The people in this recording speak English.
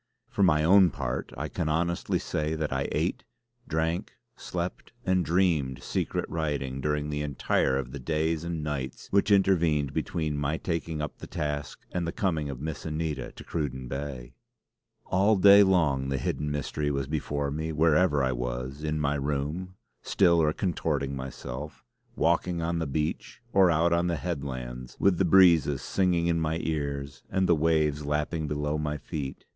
For my own part I can honestly say that I ate, drank, slept and dreamed secret writing during the entire of the days and nights which intervened between my taking up the task and the coming of Miss Anita to Cruden Bay. All day long the hidden mystery was before me; wherever I was, in my room, still or contorting myself; walking on the beach; or out on the headlands, with the breezes singing in my ears, and the waves lapping below my feet.